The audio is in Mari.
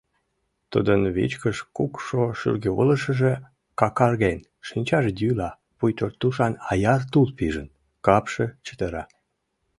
Тудын вичкыж кукшо шӱргывылышыже какарген, шинчаже йӱла, пуйто тушан аяр тул пижын, капше чытыра.